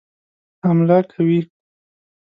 حمله کوي.